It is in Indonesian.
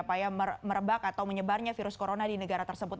apakah merebak atau menyebarnya virus corona di negara tersebut